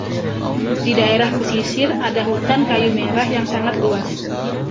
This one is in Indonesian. Di daerah pesisir ada hutan kayu merah yang sangat luas.